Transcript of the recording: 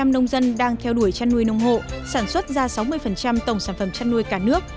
bảy mươi nông dân đang theo đuổi chăn nuôi nông hộ sản xuất ra sáu mươi tổng sản phẩm chăn nuôi cả nước